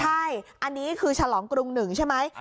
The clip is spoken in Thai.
ใช่อันนี้คือฉลองกรุง๑ใช่ไหม